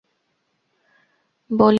বলিয়া অধীর ভাবে কাঁদিতে লাগিল।